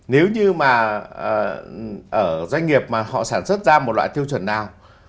nếu như mà ở doanh nghiệp mà họ sản xuất ra một loại tiêu chuẩn nào